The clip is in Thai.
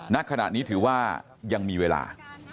ณขณะนี้ถือว่ายังมีเวลา